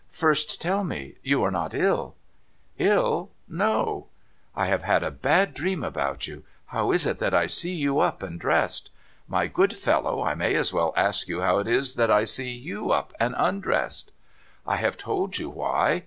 ' First tell me ; you are not ill ?' '111? No.' ' I have had a bad dream about you. How is it that I see you up and dressed ?'' My good fellow, I may as well ask }'ou how it is that I see you up and undressed ?'' I have told you why.